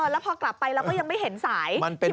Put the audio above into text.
แล้วพอกลับไปเราก็ยังไม่เห็นสายที่มันลาก